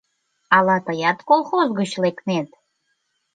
Ала тыят колхоз гыч лекнет?